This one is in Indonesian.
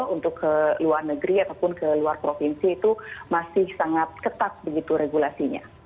untuk ke luar negeri ataupun ke luar provinsi itu masih sangat ketat begitu regulasinya